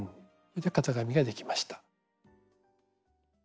型紙ができました。